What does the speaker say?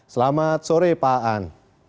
selamat sore pak aan